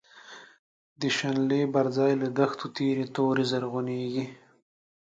د شنلی بر ځای له دښتو، تیری توری زرعونیږی